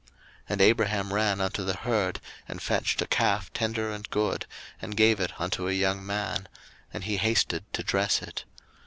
01:018:007 And Abraham ran unto the herd, and fetcht a calf tender and good, and gave it unto a young man; and he hasted to dress it.